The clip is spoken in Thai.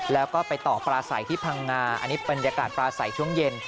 แล้วก็ไปต่อปลาใสที่พังงาอันนี้บรรยากาศปลาใสช่วงเย็น